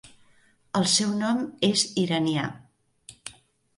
El seu nom és iranià.